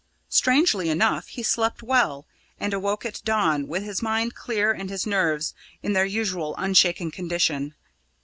Strangely enough he slept well, and awoke at dawn with his mind clear and his nerves in their usual unshaken condition.